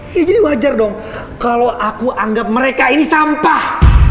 ya jadi wajar dong kalau aku anggap mereka ini sampah